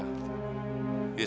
yang seperti pembela mereka